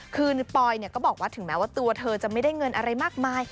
คือปอยก็บอกว่าถึงแม้ว่าตัวเธอจะไม่ได้เงินอะไรมากมาย